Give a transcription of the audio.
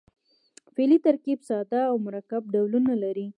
فعلي ترکیب ساده او مرکب ډولونه لري.